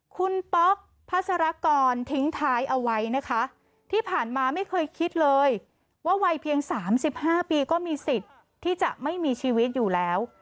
คุณป๊อกพัสรกรทิ้งท้ายเอาไว้นะคะที่ผ่านมาไม่เคยคิดเลยว่าวัยเพียง๓๕ปีก็มีสิทธิ์ที่จะไม่มีชีวิตอยู่แล้ว